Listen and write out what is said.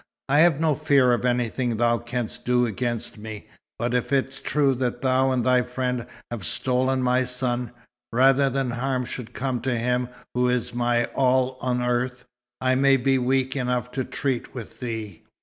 I have no fear of anything thou canst do against me; but if it is true that thou and thy friend have stolen my son, rather than harm should come to him who is my all on earth, I may be weak enough to treat with thee."